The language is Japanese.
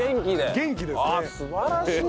「元気」ですね。